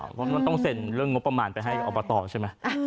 ก็ต้องเซ็นเรื่องงบประมาณไปให้เอามาต่อใช่ไหม